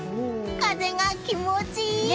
風が気持ちいい！